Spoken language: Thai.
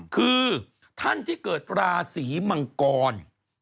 คือท่านที่เกิดราศีมังกร